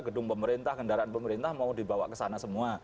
gedung pemerintah kendaraan pemerintah mau dibawa ke sana semua